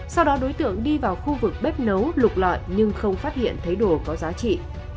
sau đó đối tượng đi vào khu vực bếp nấu lục lọi nhưng không phát hiện thấy đồ có giá trị